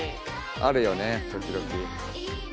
あるよね時々。